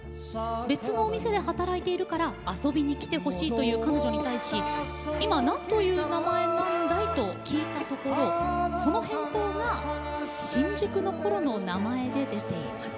別のお店で働いているから遊びに来てほしいという彼女に対し今、なんと言う名前なんだい？と聞いたところその返答が「新宿のころの名前で出ています」。